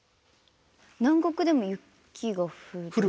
南国でも雪が降る。